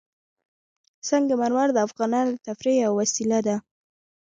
سنگ مرمر د افغانانو د تفریح یوه وسیله ده.